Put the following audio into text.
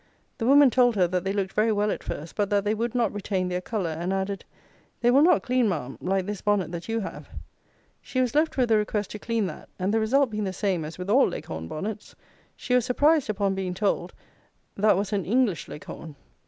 The woman told her that they looked very well at first, but that they would not retain their colour, and added, "They will not clean, ma'am, like this bonnet that you have." She was left with a request to clean that; and the result being the same as with all Leghorn bonnets, she was surprised upon being told that that was an "English Leghorn."